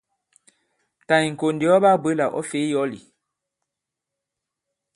Tà ì-ŋ̀kò ndì ɔ baa-bwě là ɔ̌ fè i yɔ̌l ì?